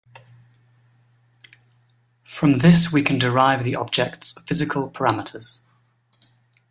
From this we can derive the object's physical parameters.